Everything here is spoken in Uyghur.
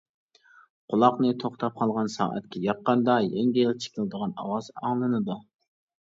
قۇلاقنى توختاپ قالغان سائەتكە ياققاندا يەڭگىل چىكىلدىغان ئاۋاز ئاڭلىنىدۇ.